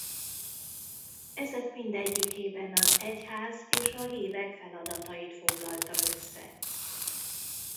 Ezek mindegyikében az egyház és a hívek feladatait foglalta össze.